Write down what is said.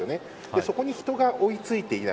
そこに人が追いついていない。